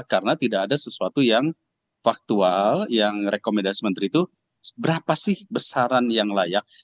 karena tidak ada sesuatu yang faktual yang rekomendasi menteri itu berapa sih besaran yang layak